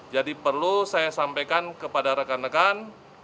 jadi perlu saya sampaikan kepada rekan rekan